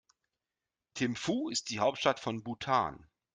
Thimphu ist die Hauptstadt von Bhutan.